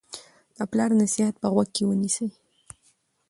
د پلار نصیحت په غوږ کې ونیسئ.